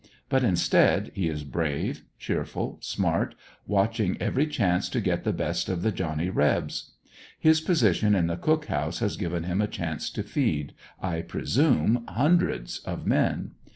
But instead, he is brave, cheerful, smart, watch ing every chance to get the best of the Johnny Rebs. His position in the cook house has given him a chance to feed, I presume, hun dreds of men.